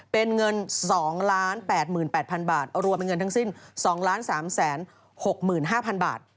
เป็นเงิน๒๘๘๐๐๐บาทรวมเป็นเงินทั้งสิ้น๒๓๖๕๐๐๐บาท